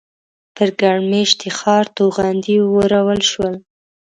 پر ګڼ مېشتي ښار توغندي وورول شول.